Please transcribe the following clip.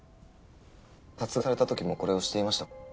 殺害されたときもこれをしていましたか？